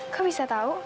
kok bisa tahu